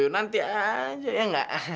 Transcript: nanti aja ya enggak